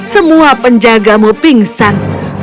semua penjagamu pingsan